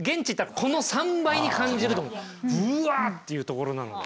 ぶわというところなので。